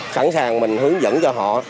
khẳng sàng mình hướng dẫn cho họ